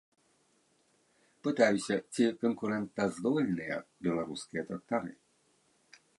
Пытаюся, ці канкурэнтаздольныя беларускія трактары.